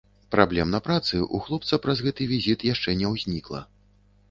Праблем на працы ў хлопца праз гэты візіт яшчэ не ўзнікла.